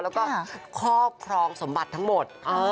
แล้วก็ครอบครองสมบัติทั้งหมด